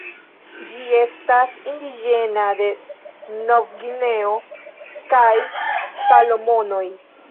Ĝi estas indiĝena de Novgvineo kaj Salomonoj.